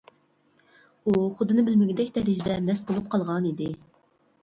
ئۇ خۇدىنى بىلمىگۈدەك دەرىجىدە مەست بولۇپ قالغانىدى.